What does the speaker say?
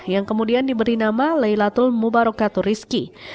yang kemudian diberi nama leilatul mubarokaturizki